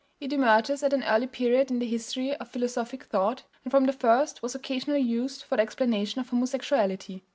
It emerges at an early period in the history of philosophic thought, and from the first was occasionally used for the explanation of homosexuality.